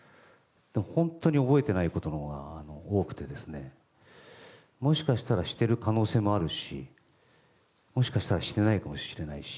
本当に覚えてないことのほうが多くてもしかしたらしてる可能性もあるしもしかしたらしてないかもしれないし。